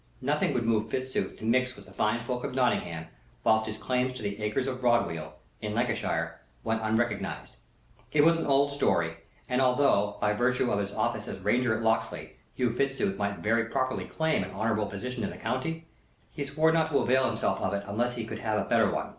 Nothing would move Fitzooth to mix with the fine folk of Nottingham whilst his claims to the acres of Broadweald, in Lancashire, went unrecognized. It was an old story, and although, by virtue of his office as Ranger at Locksley, Hugh Fitzooth might very properly claim an honorable position in the county, he swore not to avail himself of it unless he could have a better one.